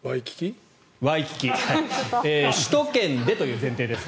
首都圏でという前提です。